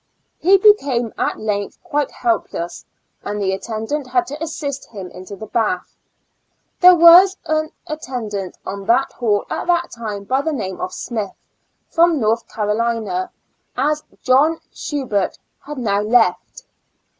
He became at length quite helpless, and the attendant had to assist him into the bath. There was an attendant on that hall at that time by the name of Smith, from North Carolina, as John Subert had now left.